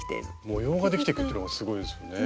模様ができていくっていうのがすごいですよね。